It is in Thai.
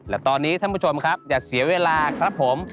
และตอนนี้ท่านผู้ชมครับอย่าเสียเวลาครับผม